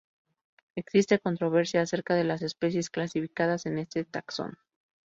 Existe controversia acerca de las especies clasificadas en este taxón.